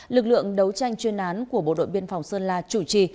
lực lượng đấu tranh chuyên án của bộ đội biên phòng sơn la chủ trì